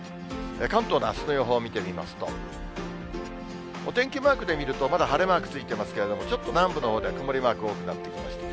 関東のあすの予報を見てみますと、お天気マークで見ると、まだ晴れマークついていますけれども、ちょっと南部のほうでは曇りマーク多くなってきました。